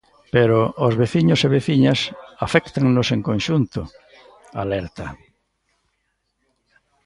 "Pero aos veciños e veciñas aféctannos en conxunto", alerta.